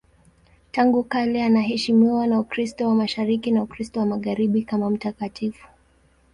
Tangu kale anaheshimiwa na Ukristo wa Mashariki na Ukristo wa Magharibi kama mtakatifu.